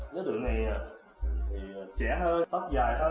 đối tượng này trẻ hơn tóc dài hơn